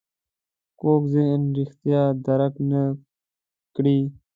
کوږ ذهن رښتیا درک نه کړي